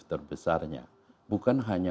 terbesarnya bukan hanya